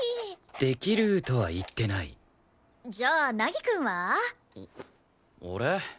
「できる」とは言ってないじゃあ凪くんは？俺？